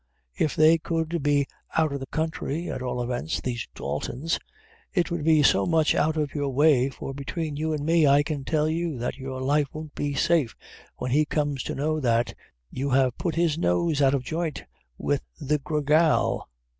If they could be got out of the counthry, at all events these Daltons it would be so much out of your way, for between, you an' me, I can tell you that your life won't be safe when he comes to know that you have put his nose out of joint with the Gra Gal."